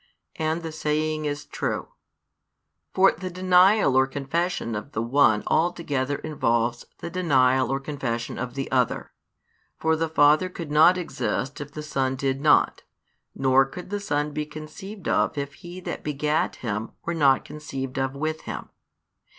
And the saying is true. For the denial or confession of the One altogether involves the denial or confession of the Other. For the Father could not exist if the Son did not; nor could the Son be conceived of if He That begat Him were not conceived of with Him.